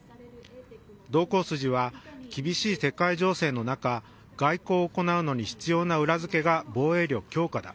同行筋は、厳しい世界情勢の中外交を行うのに必要な裏付けが防衛力強化だ。